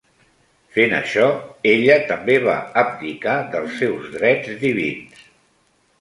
Fent això, ella també va abdicar dels seus drets divins.